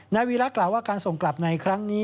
วีระกล่าวว่าการส่งกลับในครั้งนี้